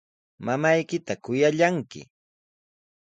Mamaykita kuyallanki.